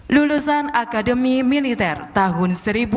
lulusan akademi militer tahun seribu sembilan ratus sembilan puluh